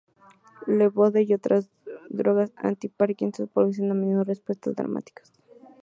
Levodopa y otras drogas anti-parkinson producen a menudo respuestas dramáticas.